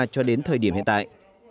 cho đến thời điểm hiện tại